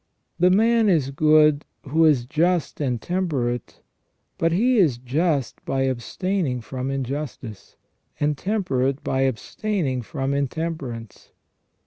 The man is good who is just and temperate, but he is just by abstaining from injustice, and temperate by abstaining from intemperance.